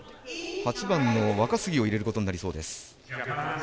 ８番の若杉を入れることになりそうです。